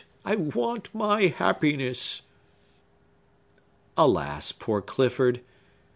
I want my happiness!" Alas, poor Clifford!